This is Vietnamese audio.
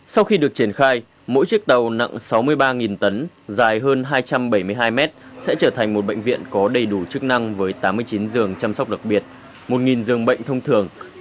sau khi được triển khai mỗi chiếc tàu nặng sáu mươi ba tấn dài hơn hai trăm bảy mươi hai mét sẽ trở thành một bệnh viện có đầy đủ chức năng với tám mươi chín giường chăm sóc đặc biệt một giường bệnh thông thường